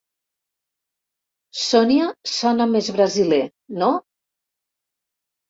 Sonia sona més brasiler, no?